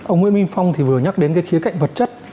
ông nguyễn minh phong thì vừa nhắc đến cái khía cạnh vật chất